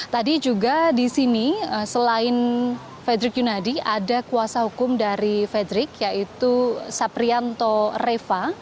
tadi juga di sini selain frederick yunadi ada kuasa hukum dari frederick yaitu saprianto reva